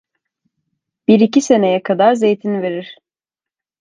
Bir iki seneye kadar zeytin verir.